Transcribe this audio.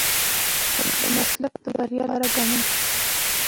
د مسلک د بريا لپاره ګامونه.